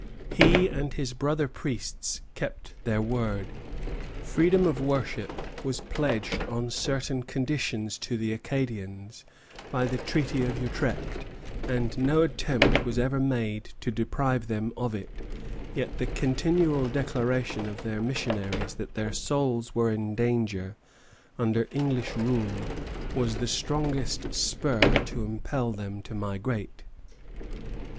He and his brother priests kept their word. Freedom of worship was pledged on certain conditions to the Acadians by the Treaty of Utrecht, and no attempt was ever made to deprive them of it; yet the continual declaration of their missionaries that their souls were in danger under English rule was the strongest spur to impel them to migrate.